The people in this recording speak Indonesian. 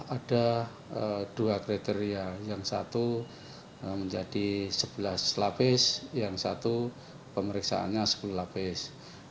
ada dua kriteria yang satu menjadi sebelas lapis yang satu pemeriksaannya sepuluh lapis